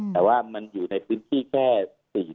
แต่ว่ามันอยู่ในพื้นที่แค่๔๕ตารางเมตร